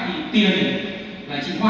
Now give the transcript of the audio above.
thì tiền là chị hoa